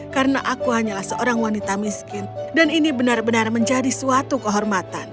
karena aku hanyalah seorang wanita miskin dan ini benar benar menjadi suatu kehormatan